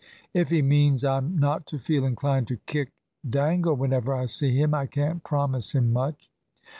"If he means I'm not to feel inclined to kick Dangle whenever I see him, I can't promise him much."